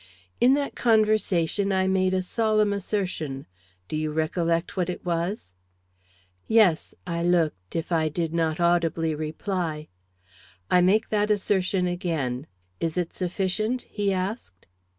"In that conversation I made a solemn assertion; do you recollect what it was?" "Yes," I looked, if I did not audibly reply. "I make that assertion again is it sufficient?" he asked.